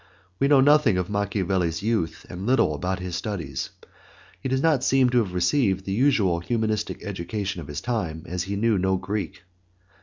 We know nothing of Machiavelli's youth and little about his studies. He does not seem to have received the usual humanistic education of his time, as he knew no Greek.